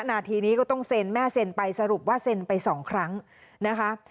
นาทีนี้ก็ต้องเซ็นแม่เซ็นไปสรุปว่าเซ็นไป๒ครั้งนะคะ